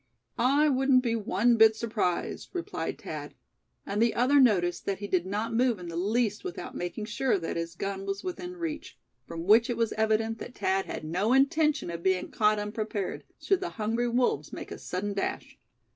"I wouldn't be one bit surprised," replied Thad; and the other noticed that he did not move in the least without making sure that his gun was within reach; from which it was evident that Thad had no intention of being caught unprepared, should the hungry wolves make a sudden dash.